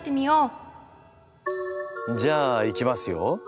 じゃあいきますよ。